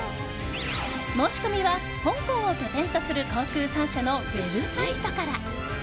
申し込みは香港を拠点とする航空３社のウェブサイトから。